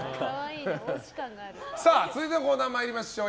続いてのコーナー参りましょう。